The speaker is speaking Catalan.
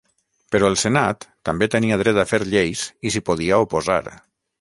Però el senat també tenia dret a fer lleis i s'hi podia oposar.